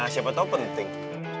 siapa tau penting